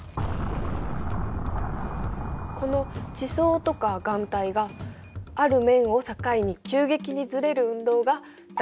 この地層とか岩体がある面を境に急激にずれる運動が断層運動だよね。